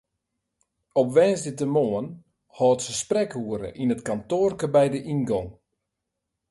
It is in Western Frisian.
Op woansdeitemoarn hâldt se sprekoere yn it kantoarke by de yngong.